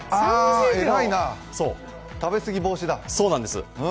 偉いな、食べ過ぎ防止だ。